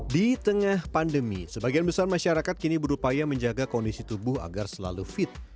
di tengah pandemi sebagian besar masyarakat kini berupaya menjaga kondisi tubuh agar selalu fit